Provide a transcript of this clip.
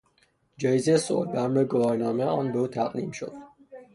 جایزهی صلح به همراه گواهینامهی آن به او تقدیم شد.